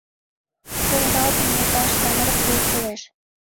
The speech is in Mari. У оралтым нӧлташ самырык вий кӱлеш.